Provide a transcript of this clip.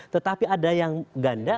tetapi ada yang ganda